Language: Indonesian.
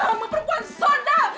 kamu perempuan sonda